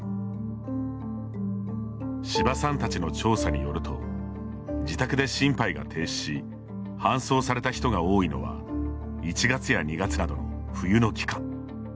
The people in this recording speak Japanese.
柴さんたちの調査によると自宅で心肺が停止し搬送された人が多いのは１月や２月などの冬の期間。